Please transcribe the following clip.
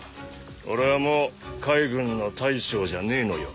俺はもう海軍の大将じゃねえのよ。